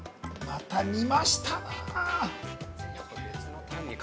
また、煮ましたなー。